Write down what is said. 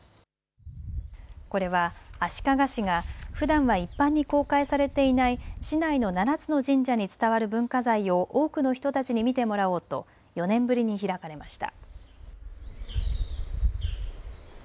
これは足利市がふだんは一般に公開されていない市内の７つの神社に伝わる文化財を多くの人たちに見てもらおうと４年ぶりに開かれました。